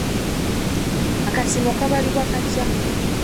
Akasiimo kabalibwa katya?